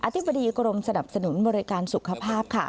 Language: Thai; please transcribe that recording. ธิบดีกรมสนับสนุนบริการสุขภาพค่ะ